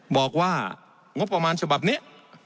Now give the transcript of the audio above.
บอกว่างบประมาณฉบับนี้